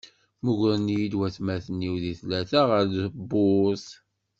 Mmugren-iyi-d watmaten-iw di tlata ɣer tewwurt.